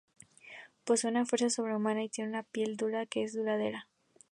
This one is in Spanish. Posee una fuerza sobrehumana y tiene una piel dura que es duradera.